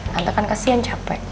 tante kan kasihan capek